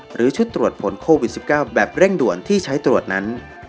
หรือชุดตรวจผลโควิด๑๙แบบเร่งด่วนที่ใช้ตรวจนั้น